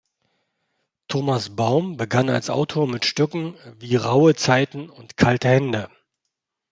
Thomas Baum begann als Autor mit Stücken wie "Rauhe Zeiten" und "Kalte Hände".